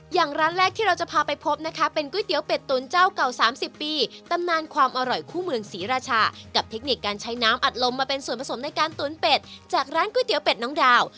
อย่างร้านแรกที่เราจะพาไปพบนะคะเป็นก๋วยเตี๋ยวเป็ดตุ๋นเจ้าเก่า๓๐ปีตำนานความอร่อยคู่เมืองศรีราชากับเทคนิคการใช้น้ำอัดลมมาเป็นส่วนผสมในการตุ๋นเป็ดจากร้านก๋วยเตี๋เป็ดน้องดาว